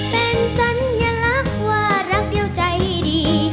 เป็นสัญลักษณ์ว่ารักเดียวใจดี